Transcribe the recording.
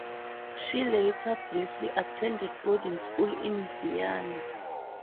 She later briefly attended boarding school in Vienna.